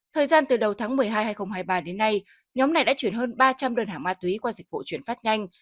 thời gian từ đầu tháng một mươi hai hai nghìn hai mươi ba đến nay nhóm này đã chuyển hơn ba trăm linh đơn hàng ma túy qua dịch vụ chuyển phát nhanh